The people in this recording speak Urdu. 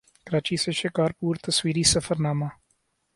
کراچی سے شکارپور تصویری سفرنامہ